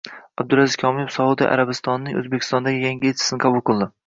Abdulaziz Komilov Saudiya Arabistonining O‘zbekistondagi yangi elchisini qabul qildi